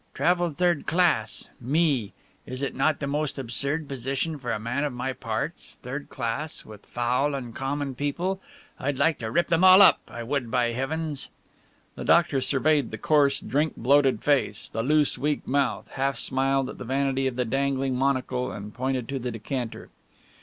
Travelled third class! Me! Is it not the most absurd position for a man of my parts third class, with foul and common people I'd like to rip them all up I would, by heavens!" The doctor surveyed the coarse, drink bloated face, the loose, weak mouth, half smiled at the vanity of the dangling monocle and pointed to the decanter.